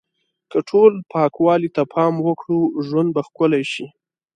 که ټول پاکوالی ته پام وکړو، ژوند به ښکلی شي.